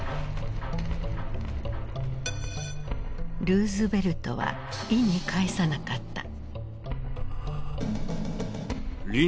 ルーズベルトは意に介さなかった。